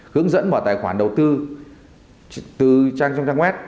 hướng dẫn mở tài khoản đầu tư từ trang trong trang web